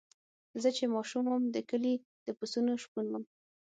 زه چې ماشوم وم د کلي د پسونو شپون وم.